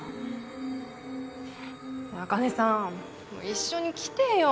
茜さん一緒に来てよ